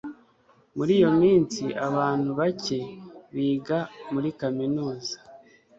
Muri iyo minsi abantu bake biga muri kaminuza